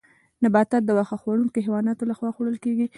نباتات د واښه خوړونکو حیواناتو لخوا خوړل کیږي